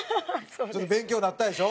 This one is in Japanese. ちょっと勉強になったでしょ？